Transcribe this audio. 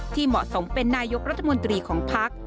เหมาะสมเป็นนายกรัฐมนตรีของพัก